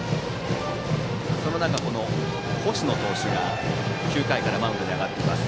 その中で星野投手が９回からマウンドに上がっています。